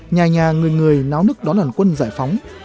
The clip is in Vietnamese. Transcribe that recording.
nhà nhà người người náo nức đón đoàn quân giải phóng